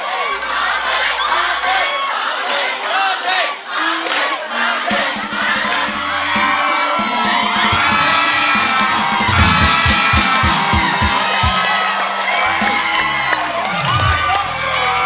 หาติกหาติกหาติกหาติก